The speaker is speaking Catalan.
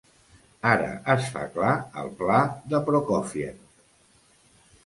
Ara es fa clar el pla de Prokófiev.